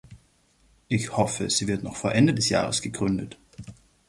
Ich hoffe, sie wird noch vor Ende des Jahres gegründet.